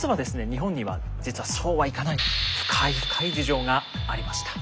日本には実はそうはいかない深い深い事情がありました。